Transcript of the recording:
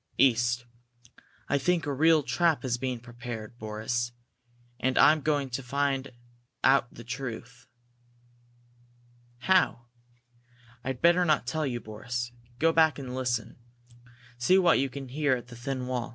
"East. I think a real trap is being prepared, Boris. And I'm going to try to find out the truth!" "How?" "I'd better not tell you, Boris. Go back and listen see what you can hear at the thin wall.